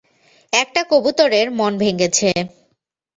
একটা কবুতরের মন ভেঙ্গেছে।